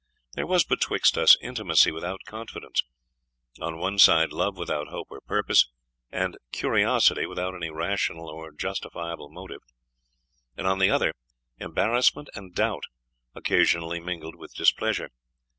There was betwixt us intimacy without confidence; on one side, love without hope or purpose, and curiosity without any rational or justifiable motive; and on the other, embarrassment and doubt, occasionally mingled with displeasure.